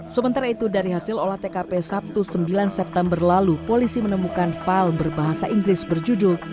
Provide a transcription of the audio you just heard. sementara itu dari hasil olah tkp sabtu sembilan september lalu polisi menemukan file berbahasa inggris berjudul